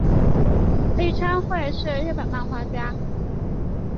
立川惠是日本漫画家。